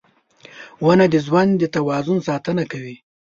• ونه د ژوند د توازن ساتنه کوي.